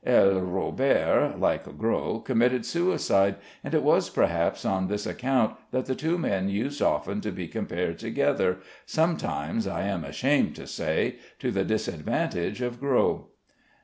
L. Robert (like Gros) committed suicide, and it was perhaps on this account that the two men used often to be compared together, sometimes (I am ashamed to say) to the disadvantage of Gros.